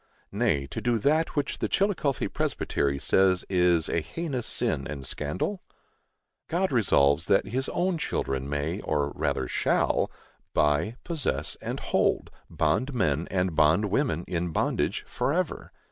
Nay, to do that which the Chillicothe Presbytery says "is a heinous sin and scandal"? God resolves that his own children may, or rather "shall," "buy, possess and hold," bond men and bond women, in bondage, forever.